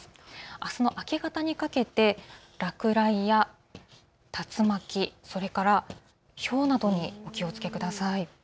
あすの明け方にかけて落雷や竜巻、それからひょうなどにお気をつけください。